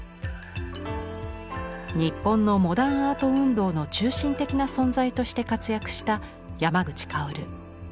日本のモダンアート運動の中心的な存在として活躍した山口薫。